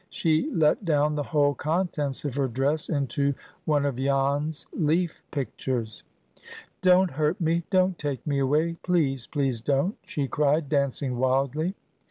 she let down the whole contents of her dress into one of Jan's leaf pictures. "Don't hurt me! Don't take me away! Please, please don't!" she cried, dancing wildly.